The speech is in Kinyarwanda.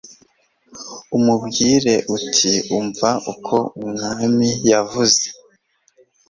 umubwire uti umva uko umwami yavuze